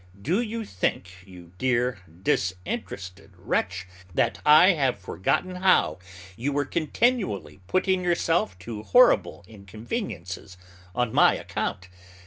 Do you think, you dear, disinterested wretch, that I have forgotten how you were continually putting yourself to horrible inconveniences on my account?